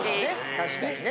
確かにね。